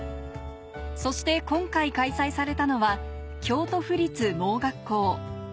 そして今回開催されたのは京都府立盲学校